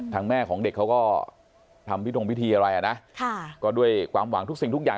แม่ของเด็กเขาก็ทำพิธงพิธีอะไรอ่ะนะก็ด้วยความหวังทุกสิ่งทุกอย่าง